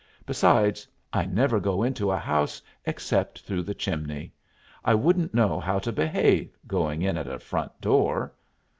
Besides, I never go into a house except through the chimney. I wouldn't know how to behave, going in at a front door."